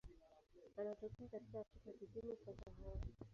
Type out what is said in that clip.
Anatokea katika Afrika kusini kwa Sahara.